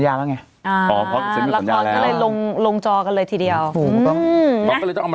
นานาลีวิสธันนะ